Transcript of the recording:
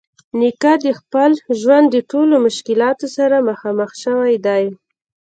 نیکه د خپل ژوند د ټولو مشکلاتو سره مخامخ شوی دی.